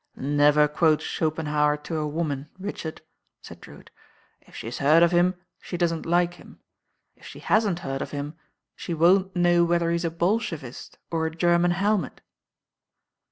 «."i^'!^f ^"° Schopenhauer to a woman, Richard," said Drewitt. "If she's heard of him she doesn't like him; if she hasn't heard of him she won't know whether he's a Bolshevist or a German heUnet."